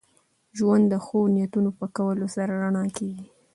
ژوند د ښو نیتونو په کولو سره رڼا کېږي.